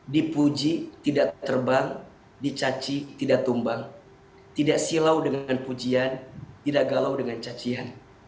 dipuji tidak terbang dicaci tidak tumbang tidak silau dengan pujian tidak galau dengan cacian